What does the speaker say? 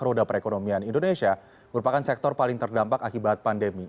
roda perekonomian indonesia merupakan sektor paling terdampak akibat pandemi